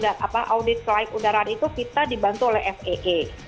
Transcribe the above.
dan audit kelaik udaraan itu kita dibantu oleh faa